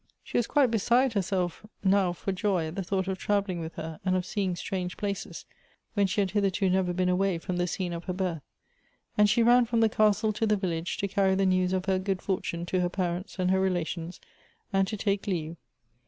She was quite beside herself now for joy at the thought of travelling with her, and of seeing strange places, when she had hith Elective Apfinities. 297 erto never been away from the scene of her birth ; and she ran from the castle to the village to carry the news of her good fortune to her parents and her relations, and to take leave.